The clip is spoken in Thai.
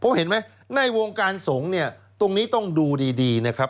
เพราะเห็นไหมในวงการสงฆ์เนี่ยตรงนี้ต้องดูดีนะครับ